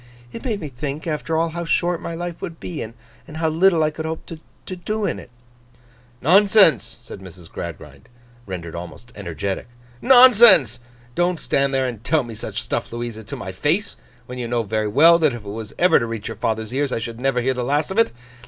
It made me think, after all, how short my life would be, and how little I could hope to do in it.' 'Nonsense!' said Mrs. Gradgrind, rendered almost energetic. 'Nonsense! Don't stand there and tell me such stuff, Louisa, to my face, when you know very well that if it was ever to reach your father's ears I should never hear the last of it.